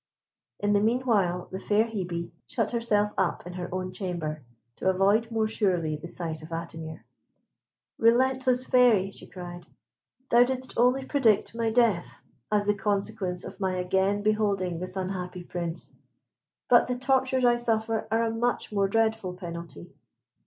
In the meanwhile, the fair Hebe shut herself up in her own chamber, to avoid more surely the sight of Atimir. "Relentless Fairy," she cried, "thou didst only predict my death as the consequence of my again beholding this unhappy Prince; but the tortures I suffer are a much more dreadful penalty."